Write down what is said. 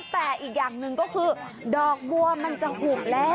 แต่อีกอย่างหนึ่งก็คือดอกบัวมันจะหุบแล้ว